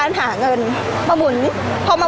พี่ตอบได้แค่นี้จริงค่ะ